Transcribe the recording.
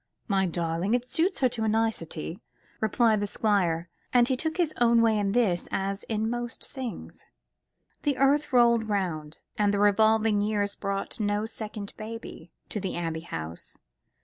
"My darling, it suits her to a nicety," replied the Squire, and he took his own way in this as in most things. The earth rolled round, and the revolving years brought no second baby to the Abbey House.